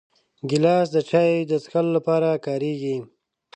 ګیلاس د چایو د څښلو لپاره کارېږي.